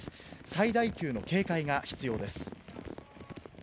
最大級の警戒が必要です。